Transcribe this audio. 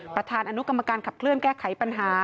ประธานอนุกรรมการขับเคลื่อนแก้ไขปัญหา